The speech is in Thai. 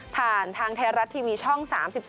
ผ่านทางเทราะห์ทีวีช่อง๓๒